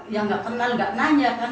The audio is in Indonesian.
ya gak kenal gak nanya kan